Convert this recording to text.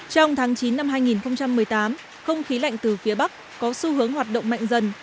trong tháng chín năm hai nghìn một mươi tám không khí lạnh từ phía bắc có xu hướng hoạt động mạnh dần